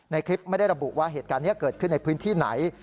คลิปไม่ได้ระบุว่าเหตุการณ์นี้เกิดขึ้นในพื้นที่ไหน